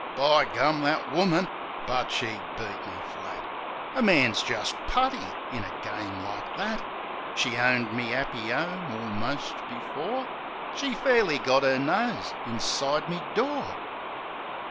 By gum ; that woman ! But she beat me flat ! A man's jist putty in a game like that. She owned me 'appy 'ome almost before She fairly got 'er nose inside me door.